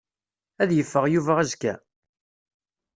Ad yeffeɣ Yuba azekka?